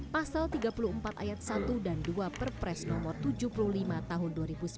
pasal tiga puluh empat ayat satu dan dua perpres nomor tujuh puluh lima tahun dua ribu sembilan belas